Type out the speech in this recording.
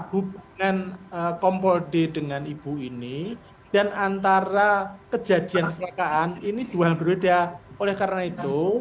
hubungan kompol d dengan ibu ini dan antara kejadian kecelakaan ini dua hal berbeda oleh karena itu